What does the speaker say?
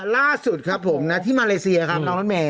ล่าสุดครับผมน่ะที่มาเลเซียครับ